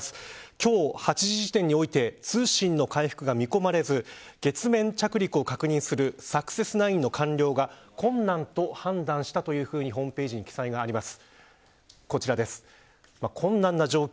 今日、８時時点において通信の回復が見込まれず月面着陸を確認するＳｕｃｃｅｓ９の完了が困難と判断したというふうにホームページに記載があります。